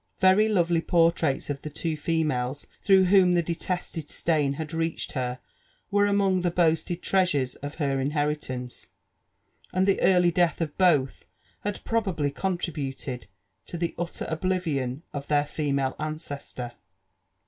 Very lovely portraits, of the two fe males through whom the detested stain had reached her' were among the boasted treasures of her inheritance, and the early death of botb had probably contributed to tbe utter oblivion of their female ancestor.